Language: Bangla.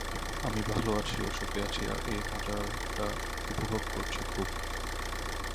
আমি ভাল আছি ও সুখে আছি, আর এ মজাটা উপভোগ করছি খুব।